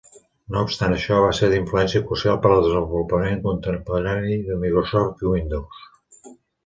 No obstant això, va ser d'influència crucial per al desenvolupament contemporani de Microsoft Windows.